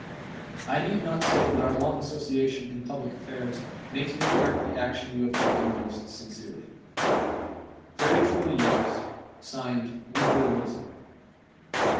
I need not say that our long association in public affairs makes me regret the action you have taken most sincerely. Very truly yours, (Signed) WOODROW WILSON.